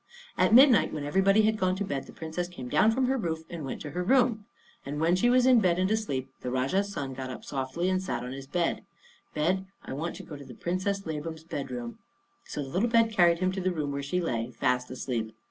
At midnight, when everybody had gone to bed, the Princess came down from her roof and went to her room; and when she was in bed and asleep, the Rajah's son got up softly and sat on his bed. "Bed," he said to it, "I want to go to the Princess Labam's bed room." So the little bed carried him to the room where she lay fast asleep.